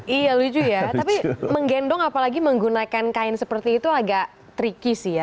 iya lucu ya tapi menggendong apalagi menggunakan kain seperti itu agak tricky sih ya